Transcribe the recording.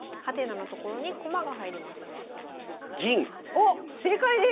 おっ正解です！